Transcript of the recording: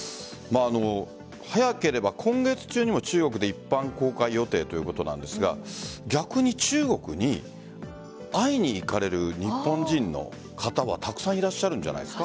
早ければ今月中にも中国で一般公開予定ということなんですが逆に中国に会いに行かれる日本人の方はたくさんいらっしゃるんじゃないですか？